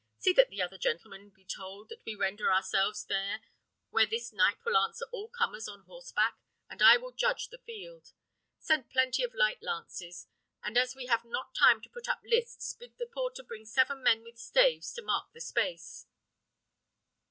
See that the other gentlemen be told that we render ourselves there, where this knight will answer all comers on horseback, and I will judge the field. Send plenty of light lances; and as we have not time to put up lists, bid the porter bring seven men with staves to mark the space."